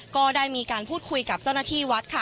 ก็ได้มีการพูดคุยกับเจ้าหน้าที่วัดค่ะ